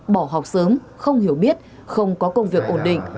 bỏ học sớm không hiểu biết không có công việc ổn định